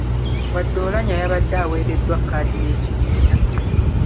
Wadde Oulanyah yabadde aweereddwa kkaadi y’ekibiina.